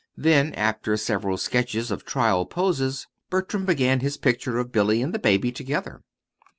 Then, after several sketches of trial poses, Bertram began his picture of Billy and the baby together.